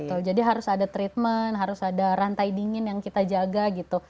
betul jadi harus ada treatment harus ada rantai dingin yang kita jaga gitu